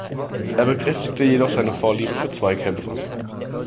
Er bekräftigte jedoch seine Vorliebe für Zweikämpfe.